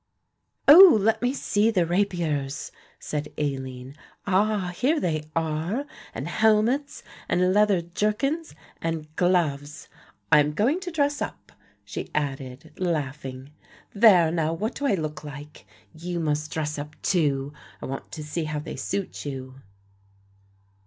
"Oh, let me see the rapiers," said Aline. "Ah, here they are, and helmets and leather jerkins and gloves. I am going to dress up," she added, laughing. "There now, what do I look like? You must dress up too; I want to see how they suit you."